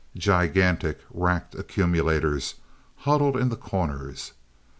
Gigantic racked accumulators huddled in the corners.